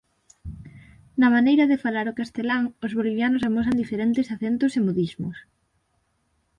Na maneira de falar o castelán os bolivianos amosan diferentes acentos e modismos.